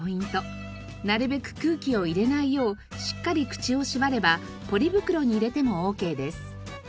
なるべく空気を入れないようしっかり口を縛ればポリ袋に入れてもオーケーです。